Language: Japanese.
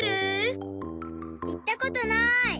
いったことない。